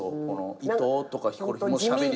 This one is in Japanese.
伊藤とかヒコロヒーしゃべり好きやし。